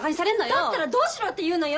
だったらどうしろって言うのよ！